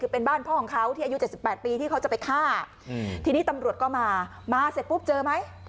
คือเป็นบ้านพ่อของเขาที่อายุ๗๘ปีที่เขาจะไปฆ่าทีนี้ตำรวจก็มามาเสร็จปุ๊บเจอไหม